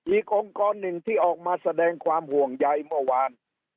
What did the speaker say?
อีกองค์กรหนึ่งที่ออกมาแสดงความห่วงใยเมื่อวาน